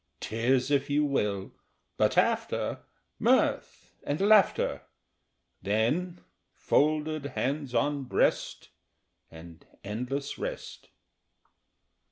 Tears if you will but after Mirth and laughter; Then, folded hands on breast And endless rest.